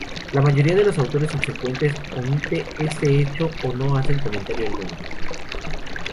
La mayoría de los autores subsecuentes omite este hecho o no hacen comentario alguno.